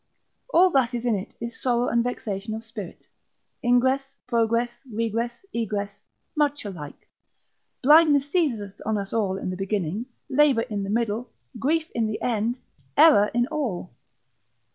All that is in it is sorrow and vexation of spirit. Ingress, progress, regress, egress, much alike: blindness seizeth on us in the beginning, labour in the middle, grief in the end, error in all.